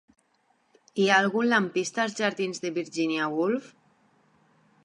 Hi ha algun lampista als jardins de Virginia Woolf?